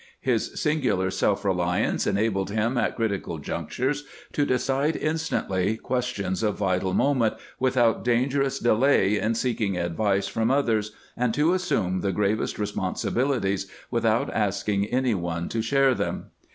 His singular self reliance enabled him at critical junctures to decide instantly questions of vital moment without dangerous delay in grant's place in military history 515 seeking advice from others, and to assume the gravest responsibilities withont asking any one to share them.